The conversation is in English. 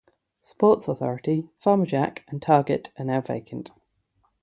Sports Authority, Farmer Jack and Target are now vacant.